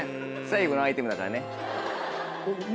最後のアイテムだからね。